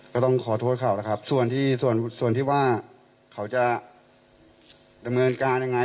ก็ต้องขอโทษเขาแล้วครับส่วนที่ว่าเขาจะดำเนินการยังไง